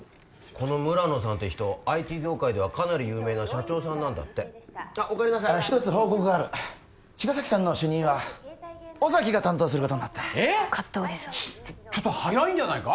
この村野さんって人ＩＴ業界ではかなり有名な社長さんなんだっておかえりなさい一つ報告がある茅ヶ崎さんの主任は尾崎が担当することになった勝手おじさん早いんじゃないか？